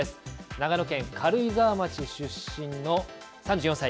長野県軽井沢町出身の３４歳。